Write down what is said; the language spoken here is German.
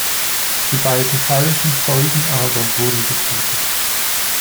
Die beiden falschen Zeugen aber wurden getötet.